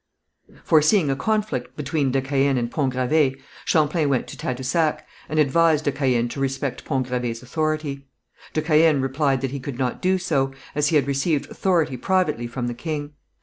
Foreseeing a conflict between de Caën and Pont Gravé, Champlain went to Tadousac, and advised de Caën to respect Pont Gravé's authority. De Caën replied that he could not do so, as he had received authority privately from the king.